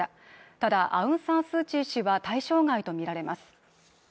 ただアウン・サン・スー・チー氏は対象外と見られます